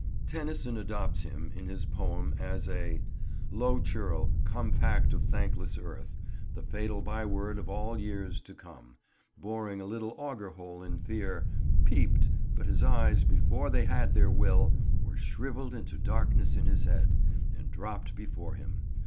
Tennyson adopts him, in his poem, as a "low churl, compact of thankless earth, The fatal byword of all years to come, Boring a little auger hole in fear, Peep'd—but his eyes, before they had their will, Were shrivell'd into darkness in his head, And dropt before him.